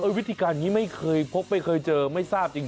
วิธีการนี้ไม่เคยพบไม่เคยเจอไม่ทราบจริง